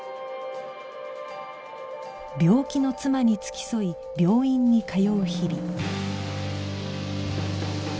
病気の妻に付き添い病院に通う日々